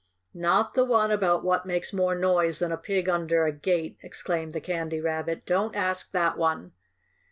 "Not the one about what makes more noise than a pig under a gate!" exclaimed the Candy Rabbit. "Don't ask that one!"